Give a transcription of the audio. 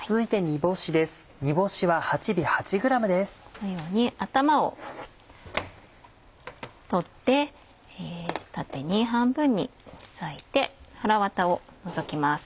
このように頭を取って縦に半分に裂いて腹ワタを除きます。